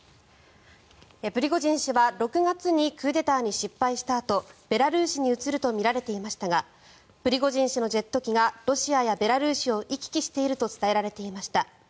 プリゴジン氏は６月にクーデターに失敗したあとベラルーシに移るとみられていましたがプリゴジン氏のジェット機がロシアやベラルーシを行き来していると伝えられていました。